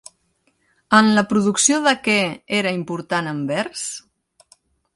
En la producció de què era important Anvers?